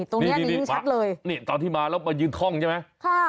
ตรงเนี้ยมียิ่งชัดเลยนี่ตอนที่มาเรามายืนท่องใช่ไหมค่ะ